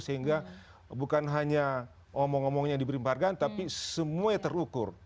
sehingga bukan hanya omong omongnya diberi penghargaan tapi semuanya terukur